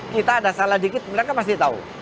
kita ada salah sedikit mereka pasti tahu